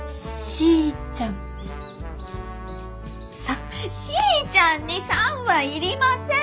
しーちゃんに「さん」は要りません！